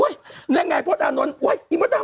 อุ๊ยรี่ผัตต์อะนินทร์